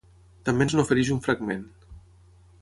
També ens n’ofereix un fragment.